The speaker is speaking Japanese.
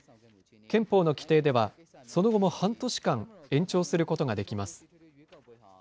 憲法の規定では、その後も半年間、延長することができます。